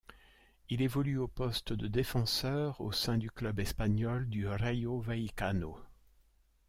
Il évolue au poste de défenseur au sein du club espagnol du Rayo Vallecano.